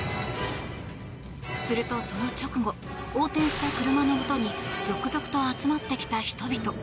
すると、その直後横転した車のもとに続々と集まってきた人々。